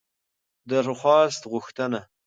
درخواست √غوښتنه